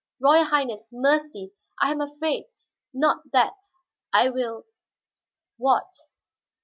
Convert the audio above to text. "Royal Highness, mercy I am afraid! Not that I will " "What?"